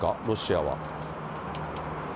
ロシアは。